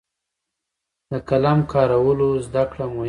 د قلم کارولو زده کړه مهمه ده.